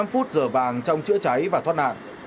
năm phút giờ vàng trong chữa cháy và thoát nạn